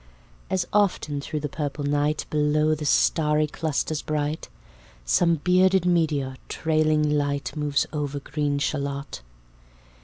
As often thro' the purple night, Below the starry clusters bright, Some bearded meteor, trailing light, Moves over green Shalott.